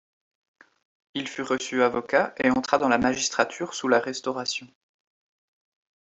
Il fut reçu avocat et entra dans la magistrature sous la Restauration.